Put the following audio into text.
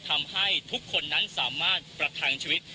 ทำให้ทุกคนนั้นสามารถประทังชีวิต